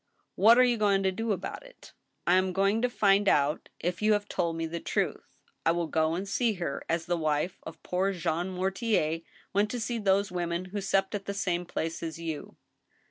" What are you going to do about it ?"" I am going to find out if you have told me the truth. I will go and see her, as the wife of poor Jean Mortier went to see those women who supped at the same place as you."